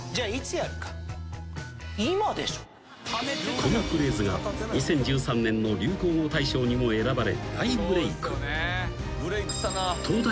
［このフレーズが２０１３年の流行語大賞にも選ばれ大ブレーク］